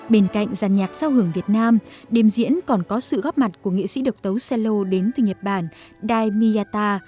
bên cạnh giàn nhạc giao hưởng việt nam đêm diễn còn có sự góp mặt của nghị sĩ độc tấu cello đến từ nhật bản dai miyata